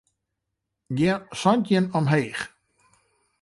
Gean santjin omheech.